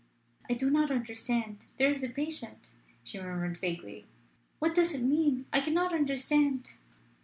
"I do not understand. There is the patient," she murmured vaguely. "What does it mean? I cannot understand."